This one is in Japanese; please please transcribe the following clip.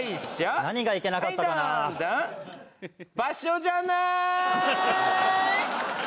場所じゃない？